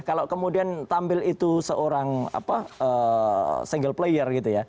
kalau kemudian tampil itu seorang single player gitu ya